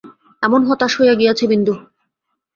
এমন হতাশ হইয়া গিয়াছে বিন্দু।